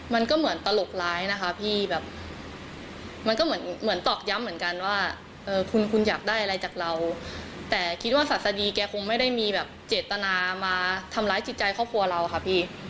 มันก็เหมือนตลกร้ายนะคะพี่แบบมันก็เหมือนตอกย้ำเหมือนกันว่าคุณคุณอยากได้อะไรจากเราแต่คิดว่าศาสดีแกคงไม่ได้มีแบบเจตนามาทำร้ายจิตใจครอบครัวเราค่ะพี่